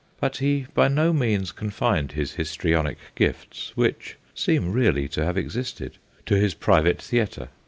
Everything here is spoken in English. But he by no means confined his histrionic gifts which seem really to have existed to his private theatre.